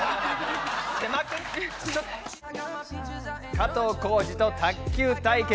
加藤浩次と卓球対決。